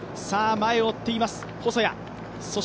前を追っています細谷。